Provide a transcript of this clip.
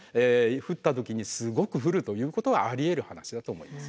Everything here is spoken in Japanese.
降った時にすごく降るということはありえる話だと思います。